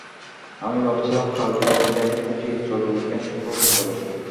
আমি ভাবছিলাম কাল যেহেতু ব্যাংক ছুটি, চলো উইকেন্ড উপভোগ করি।